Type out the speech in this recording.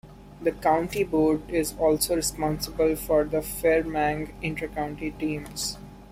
The county board is also responsible for the Fermanagh inter-county teams.